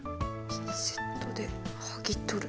ピンセットではぎ取る。